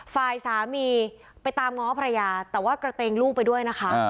ฝ่ายสามีไปตามง้อภรรยาแต่ว่ากระเตงลูกไปด้วยนะคะ